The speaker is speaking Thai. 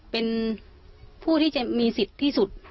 เป็นผู้ที่จะมีสิทธิ์ที่สุด